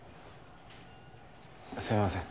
すいません。